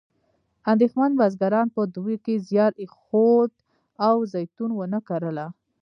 اندېښمن بزګران په دوبي کې زیار ایښود او زیتون ونه کرله.